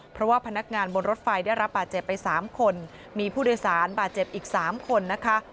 เพราะว่าพนักงานบนรถไฟได้รับบาดเจ็บไป๓คนมีผู้โดยสารบาดเจ็บอีก๓คนนะคะ